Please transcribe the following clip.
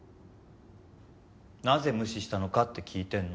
なぜ無視したのかって聞いてんの。